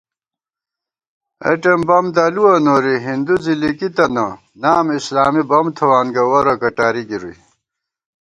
اېٹم بم دلُوَہ نوری ہِندُو زِلِکی تنہ * نام اسلامی بم تھوان گہ ورہ کٹاری گِرُوئی